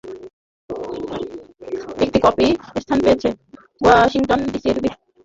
একটি কপি স্থান পেয়েছে ওয়াশিংটন ডিসির বিশেষ প্রত্নপ্রদর্শনীতে।